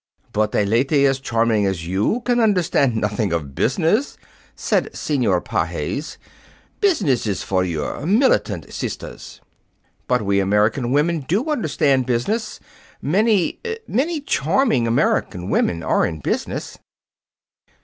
"But a lady as charming as you can understand nothing of business," said Senor Pages. "Business is for your militant sisters." "But we American women do understand business. Many many charming American women are in business."